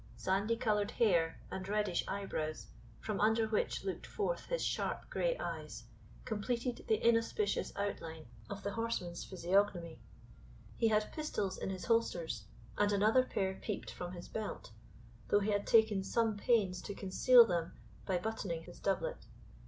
Sandy coloured hair, and reddish eyebrows, from under which looked forth his sharp grey eyes, completed the inauspicious outline of the horseman's physiognomy. He had pistols in his holsters, and another pair peeped from his belt, though he had taken some pains to conceal them by buttoning his doublet.